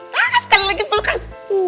sekali lagi pelukan